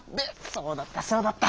そうだったそうだった。